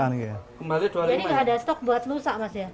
jadi gak ada stok buat lusa mas ya